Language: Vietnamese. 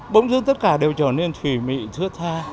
bỗng dưng tất cả đều trở nên thủy mị thưa tha